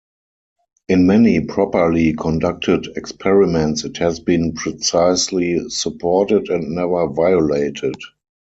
In many properly conducted experiments it has been precisely supported, and never violated.